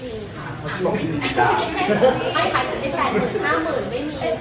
เพราะที่บอกว่ามีถึงปีดาไม่ค่ะถึงได้แฟนหมด๕๐๐๐๐ไม่มีค่ะ